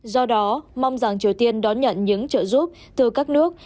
do đó mong rằng triều tiên đón nhận những trợ giúp từ các nước